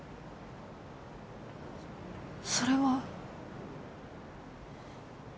それは。